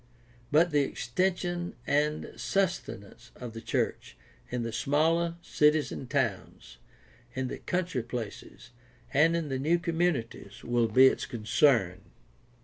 But the extension and sus tenance of the church in the smaller cities and towns, in the country places, and in the new communities will be its con cern.